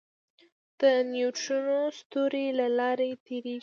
د نیوټرینو ستوري له لارې تېرېږي.